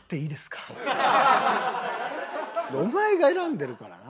お前が選んでるからな。